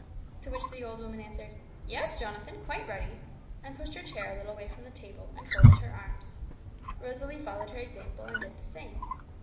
To which the old woman answered, 'Yes, Jonathan, quite ready;' and pushed her chair a little way from the table, and folded her arms. Rosalie followed her example and did the same.